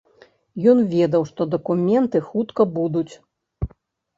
Ён ведаў, што дакументы хутка будуць.